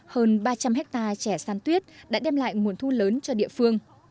hơn ba trăm linh hectare trẻ san tuyết đã đem lại nguồn thu lớn cho địa phương